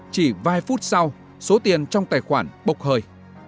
chỉ vài phút sau số tiền trong tài khoản bộc hơi